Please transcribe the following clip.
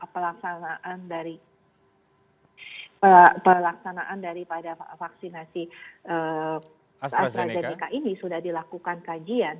pelaksanaan dari vaksinasi astrazeneca ini sudah dilakukan kajian